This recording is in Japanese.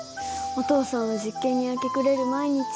お父さんは実験に明け暮れる毎日。